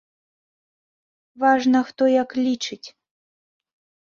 Важна, хто як лічыць.